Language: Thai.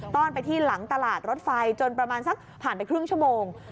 ้อนไปที่หลังตลาดรถไฟจนประมาณสักผ่านไปครึ่งชั่วโมง